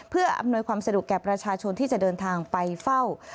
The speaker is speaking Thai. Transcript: เพื่ออำนวยความสะดวกแก่ประชาชนที่จะเดินทางไปเฝ้า